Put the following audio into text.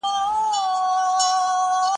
چي راغونډ به موږ کوچنيان وو